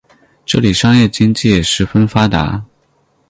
这里商业经济也十分发达。